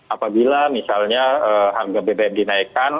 apabila misalnya harga bbm dinaikkan